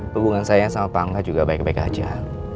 hubungan saya sama pak angga juga baik baik aja